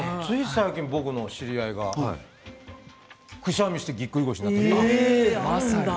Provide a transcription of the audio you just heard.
僕の知り合いがくしゃみをしてぎっくり腰になりました。